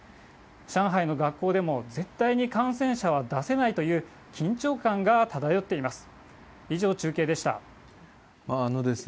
上海の学校でも、絶対に感染者は出せないという、緊張感が漂っています。